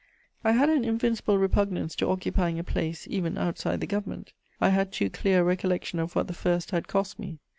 I had an invincible repugnance to occupying a place, even outside the Government; I had too clear a recollection of what the first had cost me.